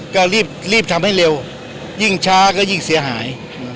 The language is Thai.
ก็รีบทำให้เร็วยิ่งช้าก็ยิ่งเสียหาย